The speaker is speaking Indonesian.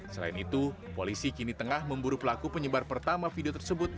selain itu polisi kini tengah memburu pelaku penyebar pertama video tersebut